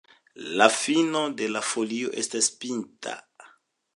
La fino de la folio estas pinta.